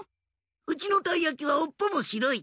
「うちのたいやきはおっぽもしろい。